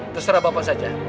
terserah bapak saja